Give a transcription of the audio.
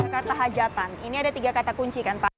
kata hajatan ini ada tiga kata kunci kan pak